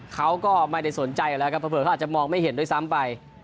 เขาก็ไม่ได้สนใจอะไรครับเผื่อเผื่อเขาอาจจะมองไม่เห็นโดยซ้ำไป